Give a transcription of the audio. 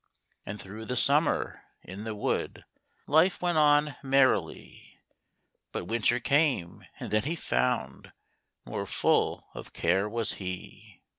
And through the summer, in the wood, Life went on merrily ; But winter came, and then he found More full of care was he.